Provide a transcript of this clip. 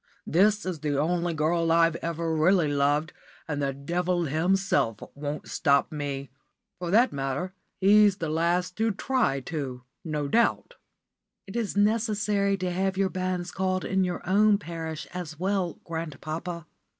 "This is the only girl I've ever really loved, and the Devil himself won't stop me. For that matter, he's the last who 'd try to, no doubt." "It is necessary to have your banns called in your own parish as well, grandpapa."